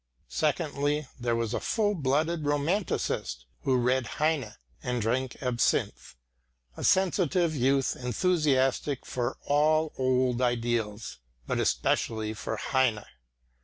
Secondly, there was a full blooded romanticist who read Heine and drank absinthe a sensitive youth enthusiastic for all old ideals, but especially for Heine.